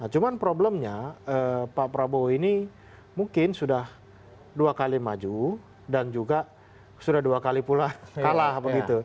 cuma problemnya pak prabowo ini mungkin sudah dua kali maju dan juga sudah dua kali pula kalah begitu